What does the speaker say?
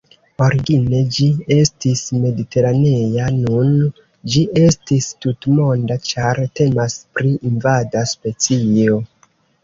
Origine ĝi estis mediteranea, nun ĝi estis tutmonda, ĉar temas pri invada specio.